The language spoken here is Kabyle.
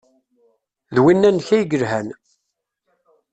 D winna-nnek ay yelhan.